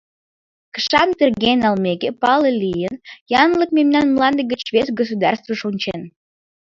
Кышам терген налмеке, пале лийын: янлык мемнан мланде гыч вес государствыш вончен.